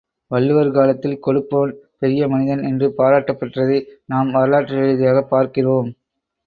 வள்ளுவர் காலத்தில் கொடுப்பவன் பெரிய மனிதன் என்று பாராட்டப் பெற்றதை நாம் வரலாற்று ரீதியாகப் பார்க்கிறோம்.